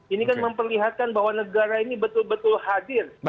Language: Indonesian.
ini kan memperlihatkan bahwa negara ini betul betul hadir